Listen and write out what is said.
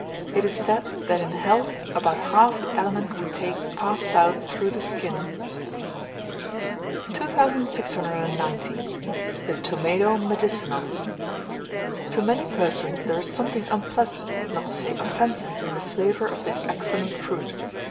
It is said that in health about half the aliment we take passes out through the skin. 2690. THE TOMATO MEDICINAL. To many persons there is something unpleasant, not to say offensive, in the flavour of this excellent fruit.